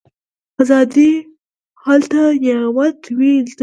آزادي هلته نعمت وي د بلبلو